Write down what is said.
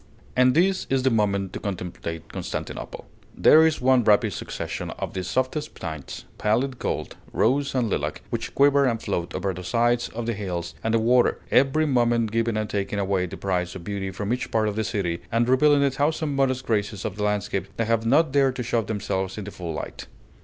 And this is the moment to contemplate Constantinople. There is one rapid succession of the softest tints, pallid gold, rose and lilac, which quiver and float over the sides of the hills and the water, every moment giving and taking away the prize of beauty from each part of the city, and revealing a thousand modest graces of the landscape that have not dared to show themselves in the full light.